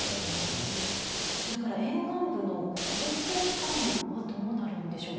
それから沿岸部の交通機関はどうなるんでしょうか？